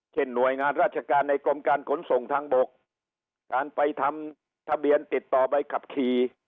หน่วยงานราชการในกรมการขนส่งทางบกการไปทำทะเบียนติดต่อใบขับขี่